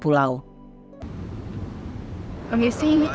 untuk mengetahui langsung pengalamannya berinteraksi dengan masyarakat